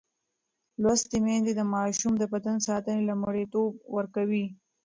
لوستې میندې د ماشوم د بدن ساتنې ته لومړیتوب ورکوي.